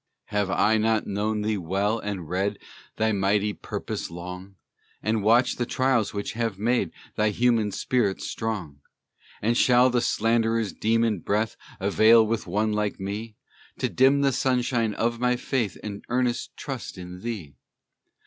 Have I not known thee well, and read Thy mighty purpose long? And watched the trials which have made Thy human spirit strong? And shall the slanderer's demon breath Avail with one like me, To dim the sunshine of my faith And earnest trust in thee?